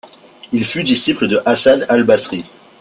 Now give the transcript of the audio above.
Il fut disciple de Hasan al-Baṣrī.